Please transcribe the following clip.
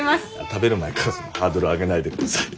食べる前からハードルあげないでください。